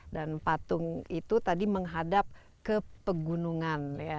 dan patung itu tadi menghadap ke pegunungan ya